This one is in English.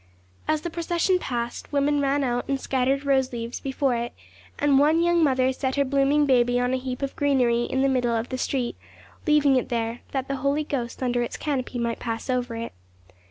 As the procession passed, women ran out and scattered rose leaves before it, and one young mother set her blooming baby on a heap of greenery in the middle of the street, leaving it there, that the Holy Ghost under its canopy might pass over it.